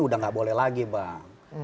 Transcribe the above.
udah nggak boleh lagi bang